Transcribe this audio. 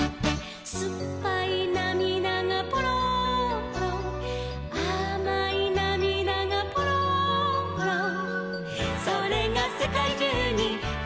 「すっぱいなみだがぽろんぽろん」「あまいなみだがぽろんぽろん」「それがせかいじゅうにちらばって」